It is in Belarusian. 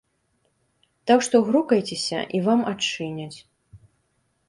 Так што грукайцеся, і вам адчыняць.